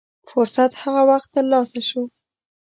فرصت هغه وخت تر لاسه شو.